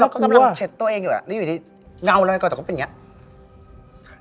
แล้วเราก็กำลังเช็ดตัวเองอยู่แหละแล้วอยู่ที่เงาเลยแต่ก็เป็นอย่างนี้